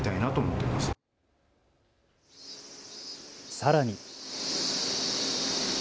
さらに。